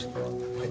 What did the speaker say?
はい。